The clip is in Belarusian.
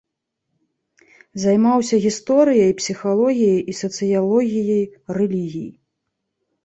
Займаўся гісторыяй, псіхалогіяй і сацыялогіяй рэлігіі.